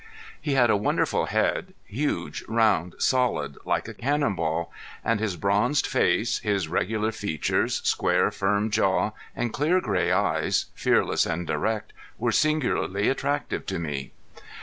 He had a wonderful head, huge, round, solid, like a cannon ball. And his bronzed face, his regular features, square firm jaw, and clear gray eyes, fearless and direct, were singularly attractive to me.